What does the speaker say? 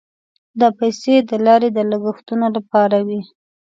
دا پیسې د لارې د لګښتونو لپاره وې.